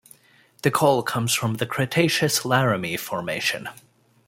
The coal comes from the Cretaceous Laramie Formation.